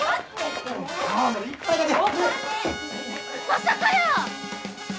まさかやー！